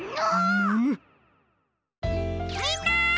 みんな！